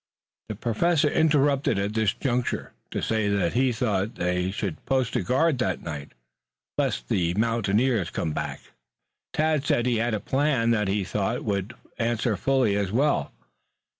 The Professor interrupted at this juncture to say that he thought they should post a guard that night lest the mountaineers come back. Tad said he had a plan that he thought would answer fully as well.